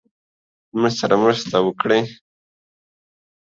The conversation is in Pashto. زموږ سره مرسته وکړی.